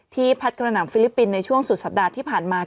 พัดกระหน่ำฟิลิปปินส์ในช่วงสุดสัปดาห์ที่ผ่านมา